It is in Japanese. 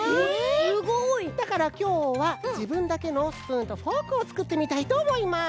だからきょうはじぶんだけのスプーンとフォークをつくってみたいとおもいます。